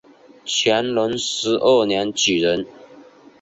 乾隆十二年举人。